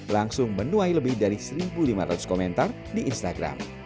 langsung menuai lebih dari satu lima ratus komentar di instagram